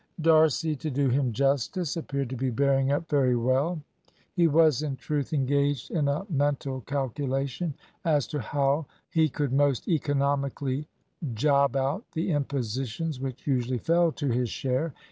D'Arcy, to do him justice, appeared to be bearing up very well. He was, in truth, engaged in a mental calculation as to how, during the coming term, he could most economically "job" out the impositions which usually fell to his share.